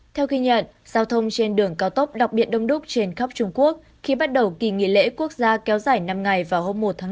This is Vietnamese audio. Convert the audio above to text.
theo ghi nhận giao thông trên đường cao tốc đặc biệt đông đúc trên khắp trung quốc khi bắt đầu kỳ nghỉ lễ quốc gia kéo dài năm ngày vào hôm một tháng bốn